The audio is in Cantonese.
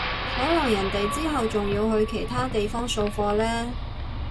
可能人哋之後仲要去其他地方掃貨呢